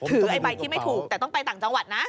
ไอ้ใบที่ไม่ถูกแต่ต้องไปต่างจังหวัดนะ